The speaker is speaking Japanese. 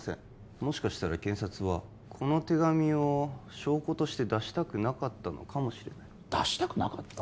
もしかしたら検察はこの手紙を証拠として出したくなかったのかもしれない出したくなかった？